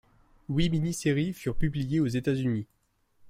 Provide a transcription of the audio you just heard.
Huit mini-séries furent publiées aux États-Unis.